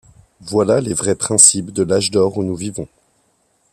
Voilà les vrais principes de l’âge d’or où nous vivons!